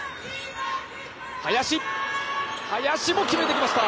林も決めてきました。